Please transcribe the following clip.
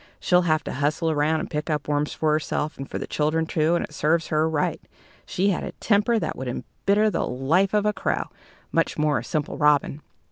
She'll have to hustle around and pick up worms for herself, and for the children too, and it serves her right. She had a temper that would embitter the life of a crow, much more a simple robin.